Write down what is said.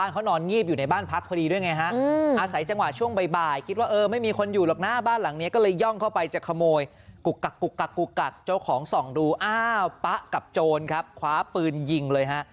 ครูกะเจ้าของส่องดูอ้าวป๊ากับโจรครับขวาปืนยิงเลยฮะ